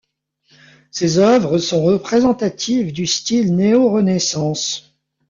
Ses œuvres sont représentatives du Style néorenaissance.